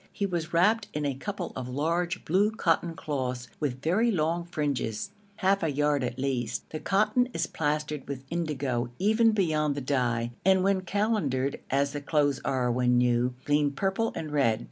He was wrapped in a couple of large blue cotton cloths with very long fringes, half a yard at least. The cotton is plastered with indigo, even beyond the dye, and when calendered, as the clothes are when new, gleam purple and red.